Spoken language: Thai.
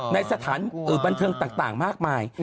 ในสถานบันเทิงต่างมากมาย